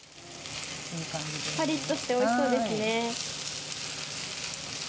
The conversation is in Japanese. ぱりっとしておいしそうですね。